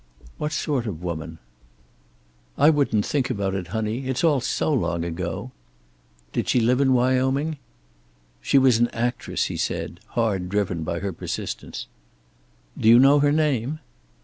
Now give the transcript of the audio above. "What sort of woman?" "I wouldn't think about it, honey. It's all so long ago." "Did she live in Wyoming?" "She was an actress," he said, hard driven by her persistence. "Do you know her name?"